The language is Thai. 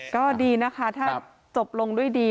ก็ดีนะคะถ้าจบลงด้วยดี